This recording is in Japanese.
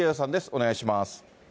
お願いします。